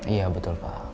iya betul pak